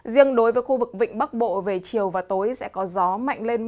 riêng đối với khu vực vịnh bắc bộ về chiều và tối sẽ có gió mạnh lên